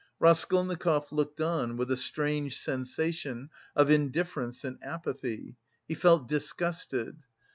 Raskolnikov looked on with a strange sensation of indifference and apathy. He felt disgusted.